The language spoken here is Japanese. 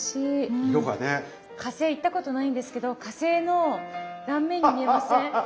火星行ったことないんですけど火星の断面に見えません？